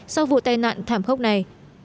sau vụ tai nạn thảm khốc này